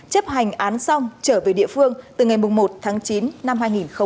chấp hành án xong trở về địa phương từ ngày một tháng chín năm hai nghìn hai mươi